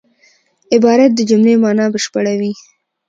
عبارت د جملې مانا بشپړوي.